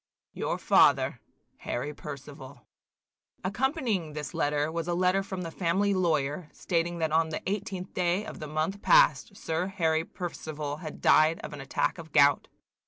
"Your father, "HARRY PERCIVAL." Accompanying this letter was a letter from the family lawyer, stating that on the 18th day of the month past Sir Harry Percival had died of an attack of gout.